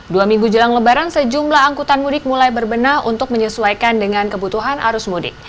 dua minggu jelang lebaran sejumlah angkutan mudik mulai berbenah untuk menyesuaikan dengan kebutuhan arus mudik